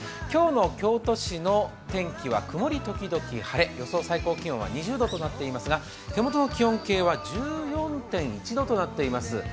今日の京都市の天気は曇り時々晴れ、予想最高気温は２０度となっていますが、手元の気温計は１４．１度となっています。